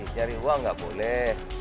cari uang tidak boleh